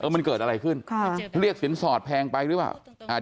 มันเกิดอะไรขึ้นค่ะเรียกสินสอดแพงไปหรือเปล่า